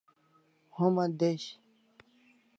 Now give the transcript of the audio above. Homa desh